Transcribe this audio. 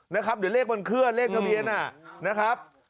นะครับเดี๋ยวเลขมันเคลื่อนเลขทะเบียนนะครับ